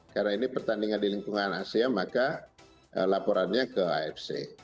karena ini pertandingan di lingkungan asia maka laporannya ke afc